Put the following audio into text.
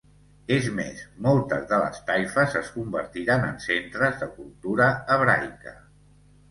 És més, moltes de les taifes es convertiren en centres de cultura hebraica.